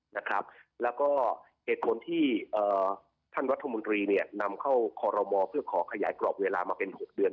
แล้วก็เหตุผลที่ท่านรัฐมนตรีเนี่ยนำเข้าคอรมอเพื่อขอขยายกรอบเวลามาเป็น๖เดือน